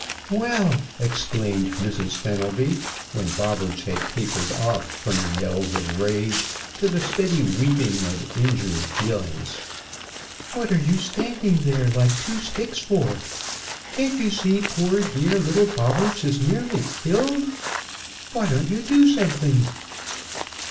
"Well!" exclaimed Mrs. Fenelby, when Bobberts had tapered off from the yells of rage to the steady weeping of injured feelings. "What are you standing there like two sticks for? Can't you see poor, dear little Bobberts is nearly killed? Why don't you do something?"